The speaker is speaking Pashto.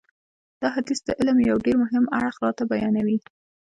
دا حدیث د علم یو ډېر مهم اړخ راته بیانوي.